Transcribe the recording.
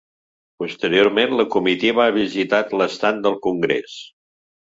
Posteriorment la comitiva ha visitat l’estand del congrés.